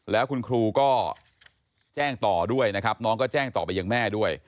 แล้วคุณครูก็แจ้งต่อด้วยนะครับน้องก็แจ้งต่อไปยังแม่ด้วย